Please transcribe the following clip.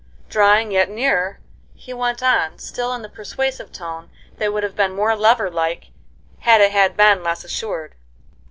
Drawing yet nearer, he went on, still in the persuasive tone that would have been more lover like if it had been less assured.